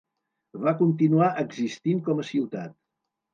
Va continuar existint com a ciutat.